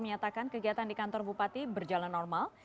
menyatakan kegiatan di kantor bupati berjalan normal